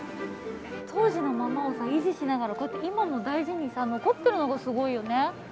当時のままを維持しながら今も大事に残っているのがすごいよね。